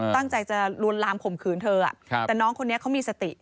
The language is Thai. ตั้งใจจะลวนลามข่มขืนเธอแต่น้องคนนี้เขามีสติ